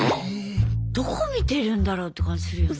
どこ見てるんだろうって感じするよね。